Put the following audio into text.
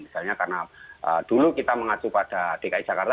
misalnya karena dulu kita mengacu pada dki jakarta